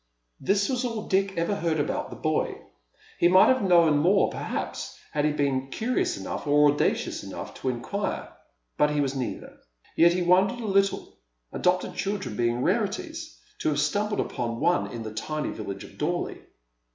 This was all Dick ever heard about the boy. He might have known more perhaps had he been curious enough or audacious enough to inquire, but he was neither. Yet he wondered a little, adopted children being rarities, to have stumbled upon one in the tiny village of Dorley.